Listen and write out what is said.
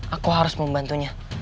aku harus membantunya